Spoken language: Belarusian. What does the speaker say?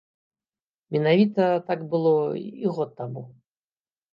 Менавіта так было і год таму.